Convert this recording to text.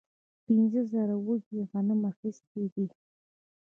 پنځه زره وږي غنم اخیستي دي.